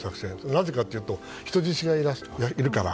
なぜかというと人質がいるから。